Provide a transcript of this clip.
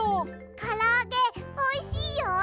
からあげおいしいよ。